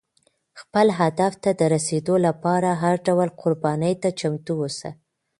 خپل هدف ته د رسېدو لپاره هر ډول قربانۍ ته چمتو اوسه.